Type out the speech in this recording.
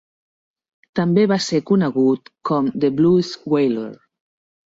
També va ser conegut com "the Blues Wailer".